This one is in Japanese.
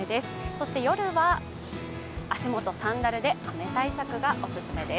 そして夜は、足元サンダルで雨対策がおすすめです。